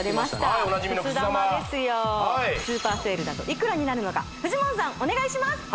はいおなじみのくす玉はいスーパーセールだといくらになるのかフジモンさんお願いします